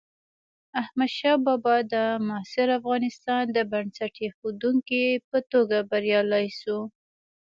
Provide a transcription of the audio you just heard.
احمدشاه بابا د معاصر افغانستان د بنسټ ایښودونکي په توګه بریالی شو.